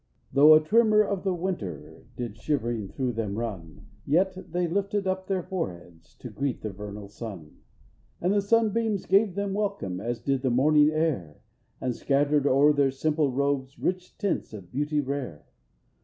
5 Though a tremor of the winter Did shivering through them run; Yet they lifted up their foreheads To greet the vernal sun. And the sunbeams gave them welcome. As did the morning air And scattered o'er their simple robes Rich tints of beauty rare.